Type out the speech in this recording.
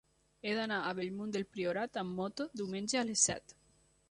He d'anar a Bellmunt del Priorat amb moto diumenge a les set.